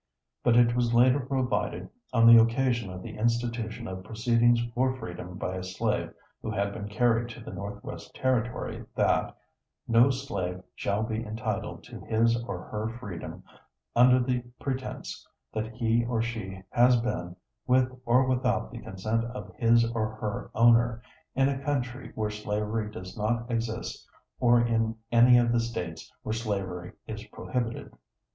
But it was later provided on the occasion of the institution of proceedings for freedom by a slave who had been carried to the Northwest Territory that "no slave shall be entitled to his or her freedom under the pretense that he or she has been, with or without the consent of his or her owner, in a country where slavery does not exist or in any of the States where slavery is prohibited."